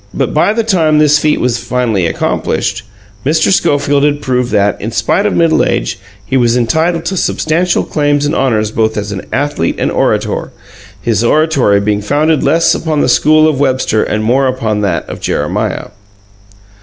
But by the time this feat was finally accomplished, Mr. Schofield had proved that, in spite of middle age, he was entitled to substantial claims and honours both as athlete and orator his oratory being founded less upon the school of Webster and more upon that of Jeremiah.